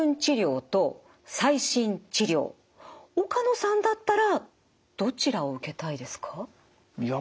岡野さんだったらどちらを受けたいですか？